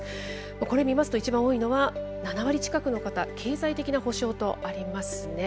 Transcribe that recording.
これを見ますと一番多いのは７割近くの方「経済的な補償」とありますね。